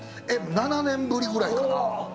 ７年ぶりぐらいかな。